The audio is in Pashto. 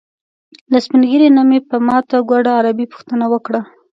له سپین ږیري نه مې په ماته ګوډه عربي پوښتنه وکړه.